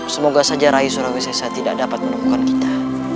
semoga saja rai surawisessa tidak dapat menemukan kita